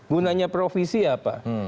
gunanya provisi apa